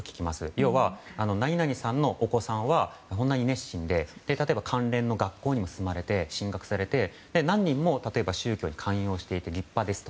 要は何々さんのお子さんはこんなに熱心で例えば、関連の学校にも進学されて何人も宗教に勧誘していて立派ですと。